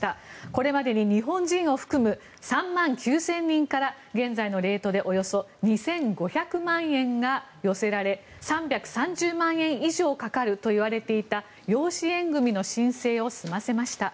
これまでに日本人を含む３万９０００人から現在のレートでおよそ２５００万円が寄せられ３３０万円以上かかるといわれていた養子縁組の申請を済ませました。